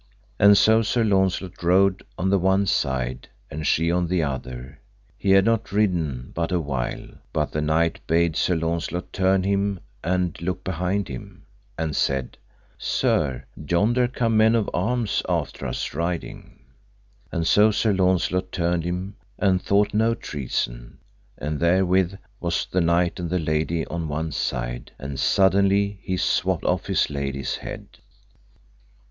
And so Sir Launcelot rode on the one side and she on the other: he had not ridden but a while, but the knight bade Sir Launcelot turn him and look behind him, and said, Sir, yonder come men of arms after us riding. And so Sir Launcelot turned him and thought no treason, and therewith was the knight and the lady on one side, and suddenly he swapped off his lady's head.